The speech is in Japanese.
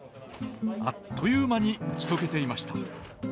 あっという間に打ち解けていました。